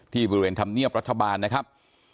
บริเวณธรรมเนียบรัฐบาลนะครับ